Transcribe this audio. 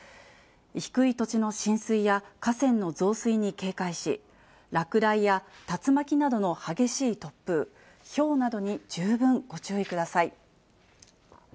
低い土地の浸水や河川の増水に警戒し、落雷や竜巻などの激しい突風、ひょうなどに十分ご注意ください。